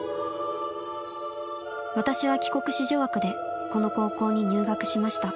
「私は帰国子女枠でこの高校に入学しました。